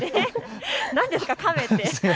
何ですか亀って。